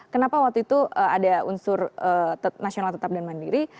kenapa waktu itu ada unsur nasional tetap dan mandiri